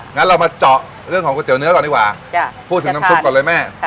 งั้นเรามาเจาะเรื่องของก๋วยเตี๋เนื้อก่อนดีกว่าพูดถึงน้ำซุปก่อนเลยแม่